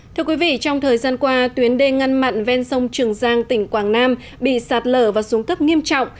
thưa quý vị trong thời gian qua tuyến đê ngăn mặn ven sông trường giang tỉnh quảng nam bị sạt lở và xuống cấp nghiêm trọng